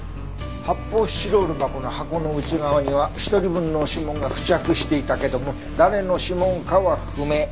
発泡スチロール箱の箱の内側には１人分の指紋が付着していたけども誰の指紋かは不明。